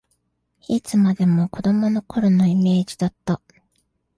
いつまでも子どもの頃のイメージだった